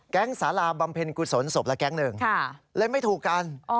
สาราบำเพ็ญกุศลศพละแก๊งหนึ่งเลยไม่ถูกกัน